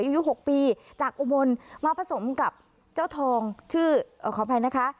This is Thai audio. อายุ๖ปีจากอุบลมาผสมกับเจ้าทองชื่อขออภัยนะคะ